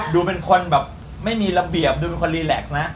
ดูเป็นคนแบบไม่มีระเบียบดูเป็นคนรีแล็กซ์นะ